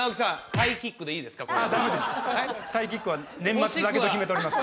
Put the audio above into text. タイキックは年末だけと決めております